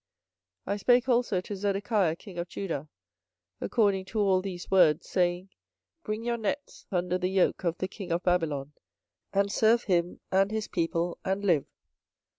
24:027:012 I spake also to Zedekiah king of Judah according to all these words, saying, Bring your necks under the yoke of the king of Babylon, and serve him and his people, and live.